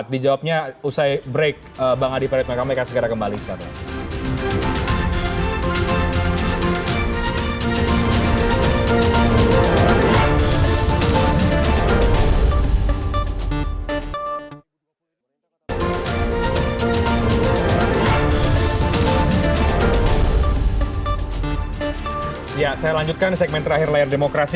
di jawabnya usai break